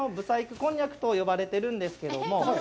こんにゃくと呼ばれてるんですが。